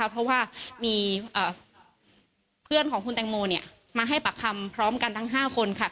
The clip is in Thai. เพราะว่ามีเพื่อนของคุณแตงโมมาให้ปากคำพร้อมกันทั้ง๕คน